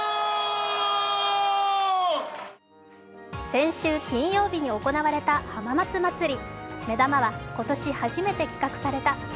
先週金曜日に行われた浜松まつり。